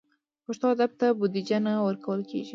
پښتو ادب ته بودیجه نه ورکول کېږي.